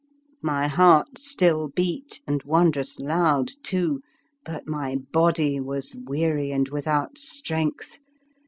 My heart still beat, and won drous loud too; but my body was weary and without strength.